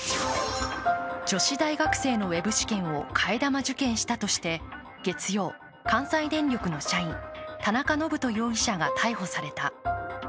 女子大学生のウェブ試験を替え玉受検したとして月曜、関西電力の社員、田中信人容疑者が逮捕された。